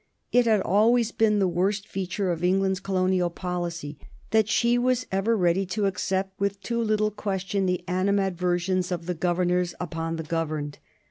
It had always been the worst feature of England's colonial policy that she was ever ready to accept with too little question the animadversions of the governors upon the governed.